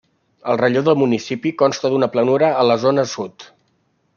El relleu del municipi consta d'una planura a la zona sud.